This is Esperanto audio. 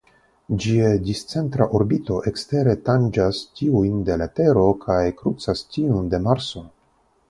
Ĝia discentra orbito ekstere tanĝas tiujn de la Tero kaj krucas tiun de Marso.